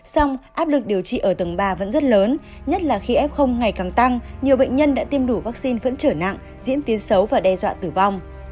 song áp lực điều trị ở tầng ba vẫn rất lớn nhất là khi f ngày càng tăng nhiều bệnh nhân đã tiêm đủ vaccine vẫn trở nặng diễn tiến xấu và đe dọa tử vong